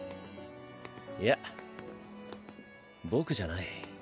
いや僕じゃない。